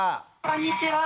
こんにちは。